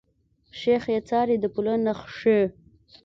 شيخ ئې څاري د پله نخښي